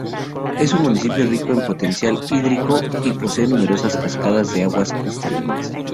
Es un municipio rico en potencial hídrico y posee numerosas cascadas aguas cristalinas.